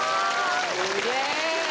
すげえ！